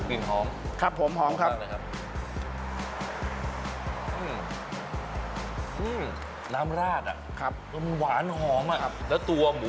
อื้มกลิ่นหอม